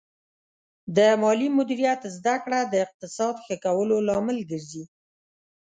د مالي مدیریت زده کړه د اقتصاد ښه کولو لامل ګرځي.